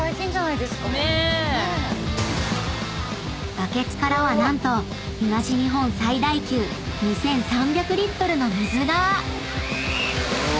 ［バケツからは何と東日本最大級２，３００リットルの水が！］